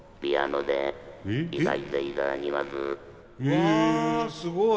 わあすごい！